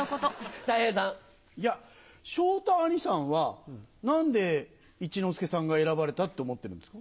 いや、昇太兄さんは、なんで一之輔さんが選ばれたって思ってるんですか？